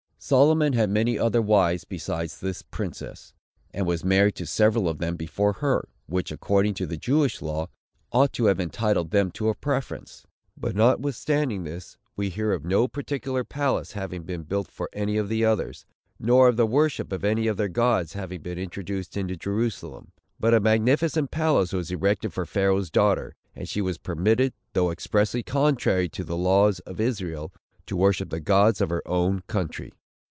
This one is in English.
Solomon had many other wives besides this princess, and was married to several of them before her, which, according to the Jewish law, ought to have entitled them to a preference. But, notwithstanding this, we hear of no particular palace having been built for any of the others, nor of the worship of any of their gods having been introduced into Jerusalem. But a magnificent palace was erected for Pharaoh's daughter; and she was permitted, though expressly contrary to the laws of Israel, to worship the gods of her own country.